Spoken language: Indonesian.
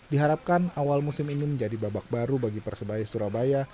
diharapkan awal musim ini menjadi babak baru bagi persebaya surabaya